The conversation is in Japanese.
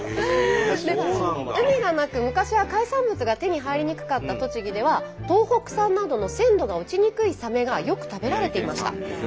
海がなく昔は海産物が手に入りにくかった栃木では東北産などの鮮度が落ちにくいサメがよく食べられていました。